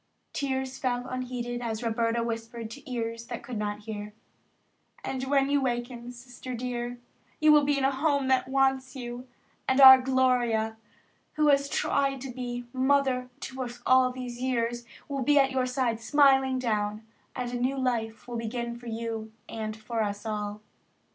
Tears fell unheeded as Roberta whispered to ears that could not hear: "And when you waken, Sister dear, you will be in a home that wants you, and our Gloria, who has tried to be Mother to us all these years will be at your side smiling down, and a new life will begin for you and for us all."